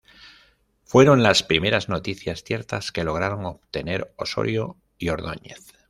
Fueron las primeras noticias ciertas que lograron obtener Osorio y Ordóñez.